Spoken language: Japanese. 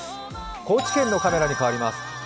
高知県のカメラに変わります。